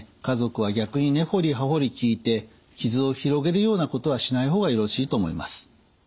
家族は逆に根掘り葉掘り聞いて傷を広げるようなことはしない方がよろしいと思います。